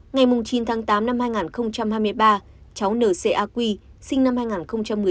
ngày chín tháng tám năm hai nghìn hai mươi ba cháu n c a qi sinh năm hai nghìn một mươi ba